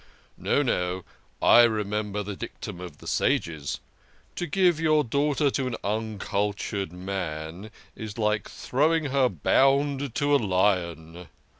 No, no, I remember the dictum of the Sages :' To give your daughter to an uncultured man is like throw ing her bound to a lion.'